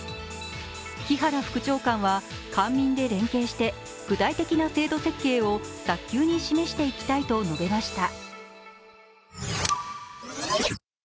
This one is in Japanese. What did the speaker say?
木原副長官は、官民で連携して具体的な制度設計を早急に示していきたいと述べました。